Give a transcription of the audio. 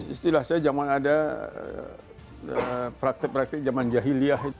istilah saya zaman ada praktik praktik zaman jahiliah